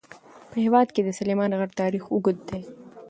په هېواد کې د سلیمان غر تاریخ اوږد دی.